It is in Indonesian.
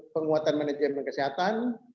penguatan manajemen kesehatan